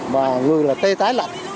và người là tê tái lạnh